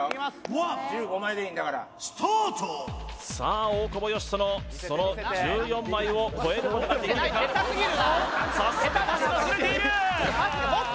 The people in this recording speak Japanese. １５枚でいいんだからさあ大久保嘉人のその１４枚を超えることができるか早速パスがズレているパス